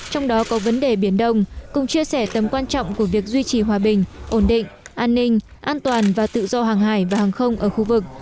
trong đó có vấn đề biển đông cùng chia sẻ tầm quan trọng của việc duy trì hòa bình ổn định an ninh an toàn và tự do hàng hải và hàng không ở khu vực